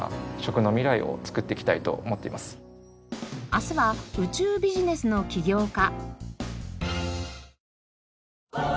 明日は宇宙ビジネスの起業家。